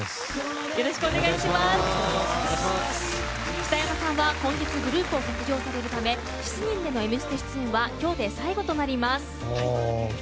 北山さんは今月グループを卒業されるため７人での「Ｍステ」出演は今日で最後になります。